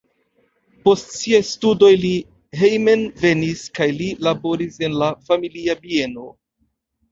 Post siaj studoj li hejmenvenis kaj li laboris en la familia bieno.